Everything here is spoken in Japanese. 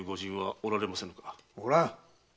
おらん！